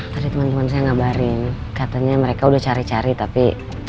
tadi teman teman saya ngabarin katanya mereka udah cari cari tapi